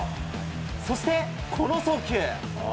そして、この送球。